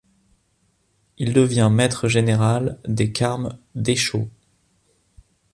Il devient maître général des Carmes déchaux.